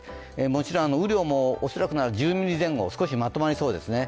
もちろん雨量も恐らく１０ミリ前後少しまとまりそうですね。